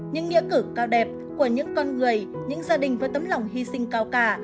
những nghĩa cử cao đẹp của những con người những gia đình với tấm lòng hy sinh cao cả